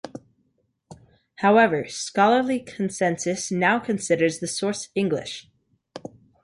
However, scholarly consensus now considers the source English.